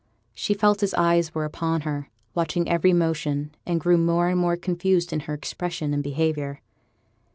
She felt his eyes were upon her, watching every motion, and grew more and more confused in her expression and behaviour.